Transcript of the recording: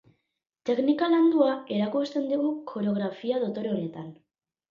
Teknika landua, erakusten digu koreografia dotore honetan.